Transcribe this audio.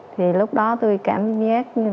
thì lúc đó tôi cảm giác